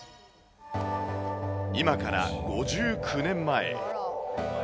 今から５９年前。